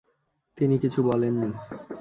তিনি কিছু বলেননি।